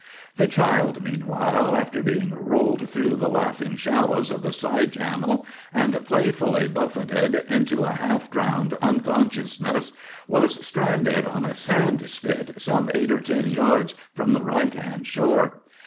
The child, meanwhile, after being rolled through the laughing shallows of the side channel and playfully buffeted into a half drowned unconsciousness, was stranded on a sand spit some eight or ten yards from the right hand shore.